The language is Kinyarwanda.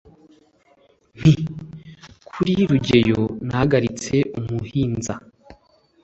Nti: "Kuri Rugeyo nahagaritse umuhinza,